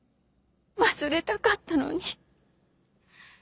忘れたかったのに。